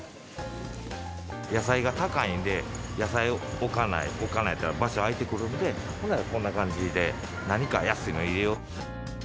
野菜が高いんで、野菜を置かない、置かないってのは、場所空いてくるんで、ほんなら、こんな感じで、何か安いものを入れようと。